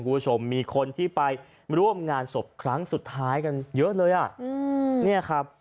คุณผู้ชมมีคนที่ไปร่วมงานศพครั้งสุดท้ายกันเยอะเลย